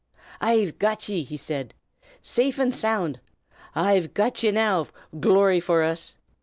"I've got ye!" he said. "Safe and sound I've got ye now, glory for ut!